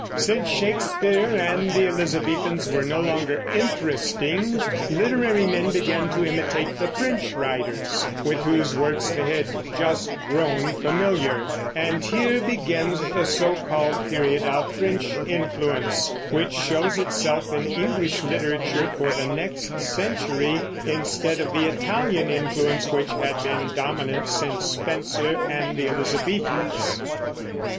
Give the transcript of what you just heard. Since Shakespeare and the Elizabethans were no longer interesting, literary men began to imitate the French writers, with whose works they had just grown familiar; and here begins the so called period of French influence, which shows itself in English literature for the next century, instead of the Italian influence which had been dominant since Spenser and the Elizabethans.